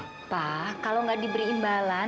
apa kalau nggak diberi imbalan